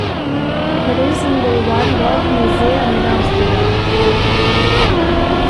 It is in the Van Gogh Museum in Amsterdam.